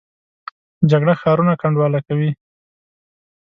جګړه ښارونه کنډواله کوي